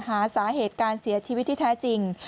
หาสาเหตุการเสียชีวิตที่แท้จริง